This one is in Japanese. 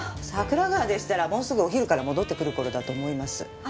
桜川でしたらもうすぐお昼から戻ってくる頃だと思います。